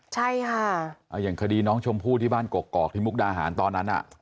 ใช่ค่ะอย่างคดีน้องชมพู่ที่บ้านกกอกที่มุกดาหารตอนนั้นอ่ะ